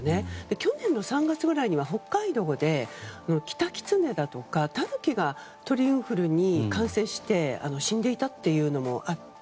去年の３月ぐらいには北海道でキタキツネだとかタヌキが鳥インフルに感染して死んでいたというのもあって。